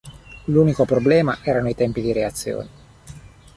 L'unico problema erano i tempi di reazione.